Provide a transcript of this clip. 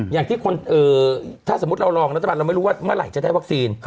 อย่างที่ถ้าสมมุติเราลองรัฐบาลเราไม่รู้ว่าเมื่อไหร่จะได้วัคซีน